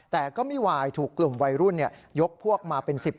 แต่ก็ไม่วายถูกกลุ่มวัยรุ่นยกพวกมาเป็น๑๐